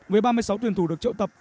với ba mươi sáu tuyển thủ được trợ tập